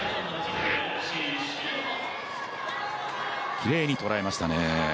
きれいに、とらえましたね。